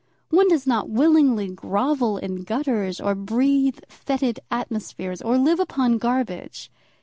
One does not willingly grovel in gutters, or breathe fetid atmospheres, or live upon garbage.